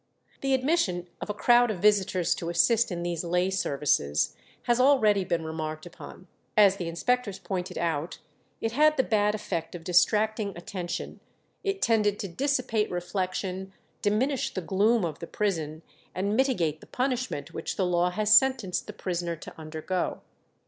The admission of a crowd of visitors to assist in these lay services has already been remarked upon; as the inspectors pointed out, it had the bad effect of distracting attention, it tended to "dissipate reflection, diminish the gloom of the prison, and mitigate the punishment which the law has sentenced the prisoner to undergo."